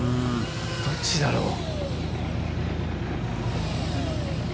どっちだろう？